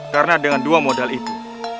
karena dengan dua modal itu